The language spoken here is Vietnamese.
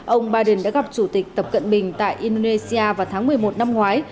ông biden đã gặp chủ tịch tập cận bình tại indonesia vào tháng một mươi một năm ngoái